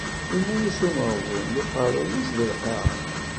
Yenna-as umeɣbun d uqerruy-is deg lqaɛa.